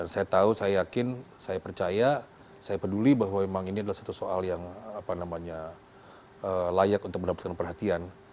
saya tahu saya yakin saya percaya saya peduli bahwa memang ini adalah satu soal yang layak untuk mendapatkan perhatian